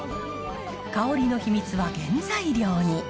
香りの秘密は原材料に。